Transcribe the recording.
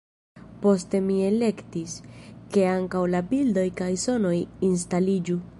Poste mi elektis, ke ankaŭ la bildoj kaj sonoj instaliĝu.